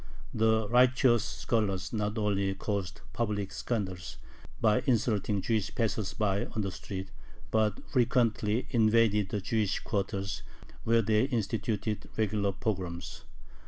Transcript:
The riotous scholars not only caused public scandals by insulting Jewish passers by on the street, but frequently invaded the Jewish quarters, where they instituted regular pogroms.